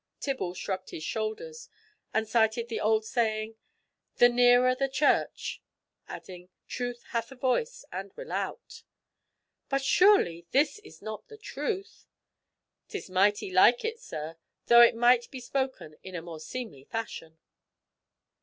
Tibble shrugged his shoulders, and cited the old saying, "The nearer the church"—adding, "Truth hath a voice, and will out." "But surely this is not the truth?" "'Tis mighty like it, sir, though it might be spoken in a more seemly fashion."